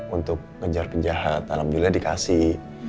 untuk ngejar penjahat alhamdulillah dikasih